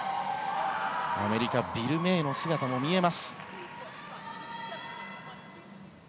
アメリカビル・メイの姿も見えます。